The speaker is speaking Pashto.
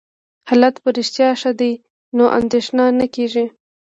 حالت په رښتیا ښه دی، نو اندېښنه نه کېږي.